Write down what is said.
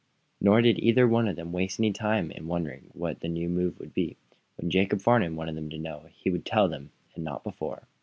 Nor did either one of them waste any time in wondering what the new move was to be. When Jacob Farnum wanted them to know he would tell them and not before.